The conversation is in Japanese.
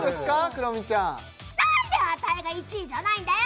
クロミちゃん何でアタイが１位じゃないんだよ